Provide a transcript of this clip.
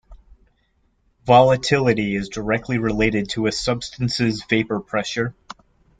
Volatility is directly related to a substance's vapor pressure.